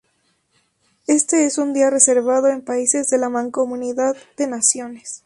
Éste es un día reservado en países de la Mancomunidad de Naciones.